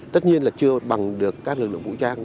tất nhiên là chưa bằng được các lực lượng vũ trang